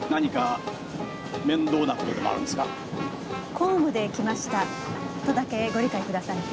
公務で来ましたとだけご理解ください。